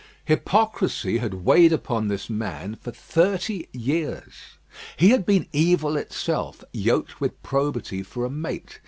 Hypocrisy had weighed upon this man for thirty years. He had been evil itself, yoked with probity for a mate.